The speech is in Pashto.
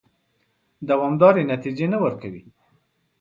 دوامدارې نتیجې نه ورکوي.